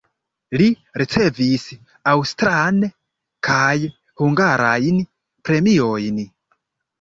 Li ricevis aŭstran kaj hungarajn premiojn.